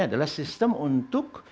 adalah sistem untuk